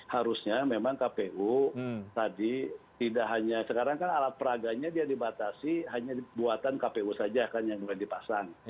harusnya memang kpu tadi tidak hanya sekarang kan alat peraganya dia dibatasi hanya buatan kpu saja kan yang boleh dipasang